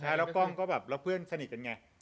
แล้วกล้องก็แบบแล้วเพื่อนสนิทกันไง